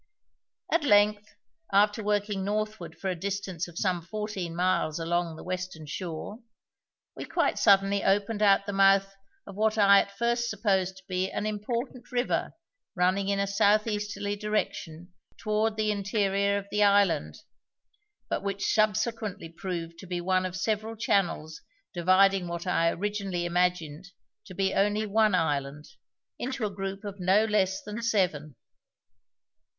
At length, after working northward for a distance of some fourteen miles along the western shore, we quite suddenly opened out the mouth of what I at first supposed to be an important river running in a south easterly direction toward the interior of the island, but which subsequently proved to be one of several channels dividing what I originally imagined to be only one island into a group of no less than seven.